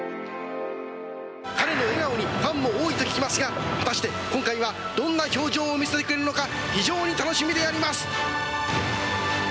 彼の笑顔にファンも多いと聞きますが果たして今回はどんな表情を見せてくれるのか非常に楽しみであります。